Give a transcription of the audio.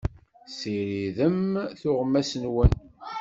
Ssiridem tuɣmas-nwen.